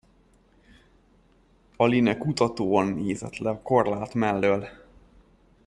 Aline kutatóan nézett le a korlát mellől.